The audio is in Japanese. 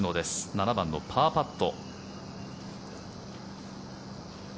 ７番のパーパット。